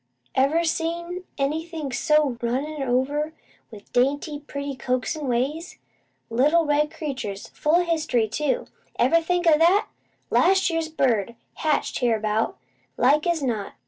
Ever see anything so runnin' over with dainty, pretty, coaxin' ways? Little red creatures, full o' hist'ry, too! Ever think o' that? Last year's bird, hatched hereabout, like as not.